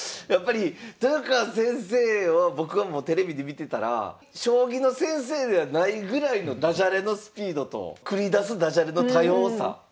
やっぱり豊川先生は僕はもうテレビで見てたら将棋の先生ではないぐらいのダジャレのスピードと繰り出すダジャレの多様さ。